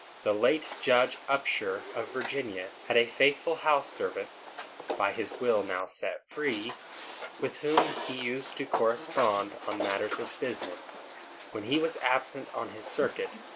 The late Judge Upshur, of Virginia, had a faithful house servant (by his will now set free), with whom he used to correspond on matters of business, when he was absent on his circuit.